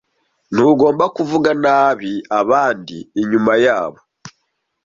Ntugomba kuvuga nabi abandi inyuma yabo.